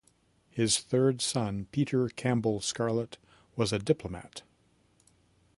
His third son, Peter Campbell Scarlett, was a diplomat.